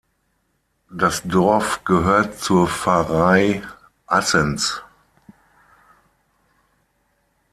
Das Dorf gehört zur Pfarrei Assens.